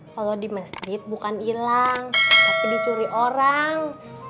kalau di masjid bukan hilang tapi dicuri orang